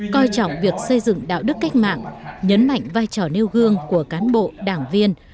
coi trọng việc xây dựng đạo đức cách mạng nhấn mạnh vai trò nêu gương của cán bộ đảng viên